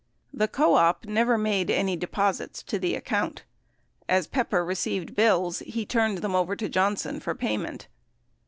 The co op never made any deposits to the account. As Pepper received bills he turned them over to Johnson for payment.